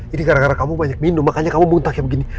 ini gara gara kamu banyak minum makanya kamu muntah yang begini